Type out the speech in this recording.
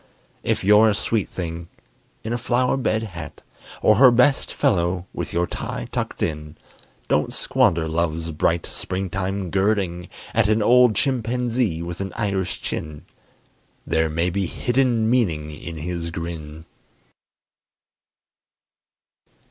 If you're a sweet thing in a flower bed hat, Or her best fellow with your tie tucked in, Don't squander love's bright springtime girding at An old chimpanzee with an Irish chin: There may be hidden meaning in his grin.